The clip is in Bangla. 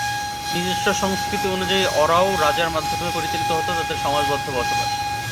নিজস্ব সংস্কৃতি অনুযায়ী ওঁরাও রাজার মাধ্যমে পরিচালিত হতো তাদের সমাজবদ্ধ বসবাস।